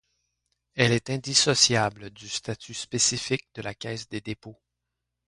Elle est indissociable du statut spécifique de la Caisse des Dépôts.